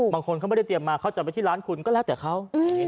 บางคนเขาไม่ได้เตรียมมาเขาจะไปที่ร้านคุณก็แล้วแต่เขา